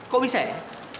kok bisa ya